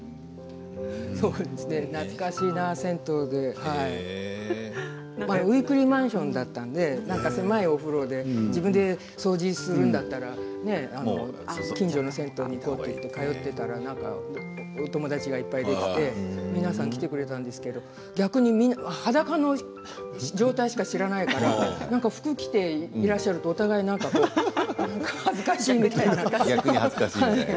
懐かしいな銭湯でウイークリーマンションだったので狭いお風呂で自分で掃除するんだったら近所の銭湯に行こうというので通っていたらお友達がいっぱいできて皆さん来てくれたんですけど逆に裸の状態しか知らないから服を着ていらっしゃるとお互い何か恥ずかしいみたいな。